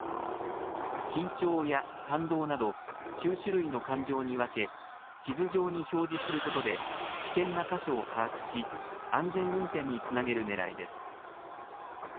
緊張や感動など９種類の感情に分け地図上に表示することで危険な箇所を把握し安全運転につなげるねらいです。